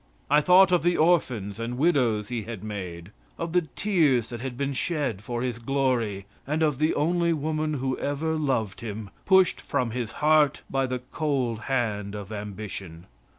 I thought of the orphans and widows he had made of the tears that had been shed for his glory, and of the only woman who ever loved him, pushed from his heart by the cold hand of ambition.